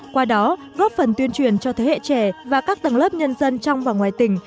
qua đó góp phần tuyên truyền cho thế hệ trẻ và các tầng lớp nhân dân trong và ngoài tỉnh